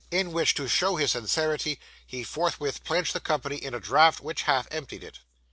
In which, to show his sincerity, he forthwith pledged the company in a draught which half emptied it.